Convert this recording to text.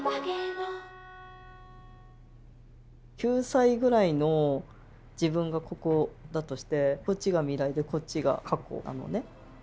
９歳ぐらいの自分がここだとしてこっちが未来でこっちが過去なのね。